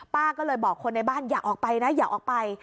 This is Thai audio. ป้าก็เลยบอกคนในบ้านอย่าออกไปนะอย่าออกไป